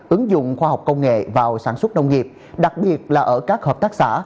ứng dụng khoa học công nghệ vào sản xuất nông nghiệp đặc biệt là ở các hợp tác xã